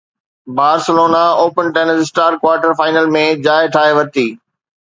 Barcelona open tennis star quarter final ۾ جاءِ ٺاهي ورتي